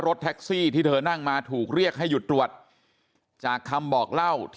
รถแท็กซี่ที่เธอนั่งมาถูกเรียกให้หยุดตรวจจากคำบอกเล่าที่